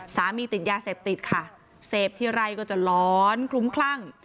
ติดยาเสพติดค่ะเสพทีไรก็จะร้อนคลุ้มคลั่ง